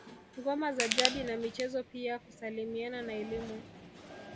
Ngoma za jadi na michezo pia kusalimiana na elimu